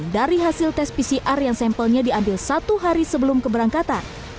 dari hasil tes pcr yang sampelnya diambil satu hari sebelum keberangkatan